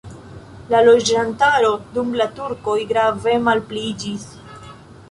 La loĝantaro dum la turkoj grave malpliiĝis.